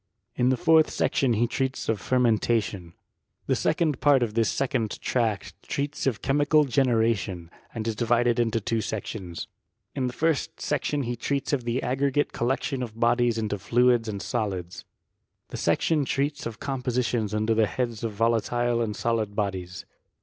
In the fourth section he treats of fermentation. Tlie second part of this second tract treats of che mical generation, and is divided into two sections. In the first section he treats of the aggregate coUectiou of bodies into fluids and solids. The section treats of compositions under the heads of volatile and solid bodies.